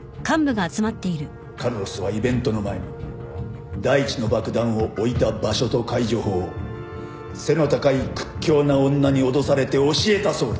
カルロスはイベントの前に第１の爆弾を置いた場所と解除法を背の高い屈強な女に脅されて教えたそうだ。